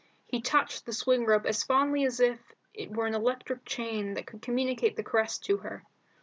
He touched the swing rope as fondly as if it were an electric chain that could communicate the caress to her.